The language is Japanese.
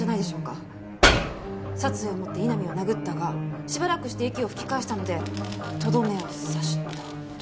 殺意を持って井波を殴ったがしばらくして息を吹き返したのでとどめを刺したとか。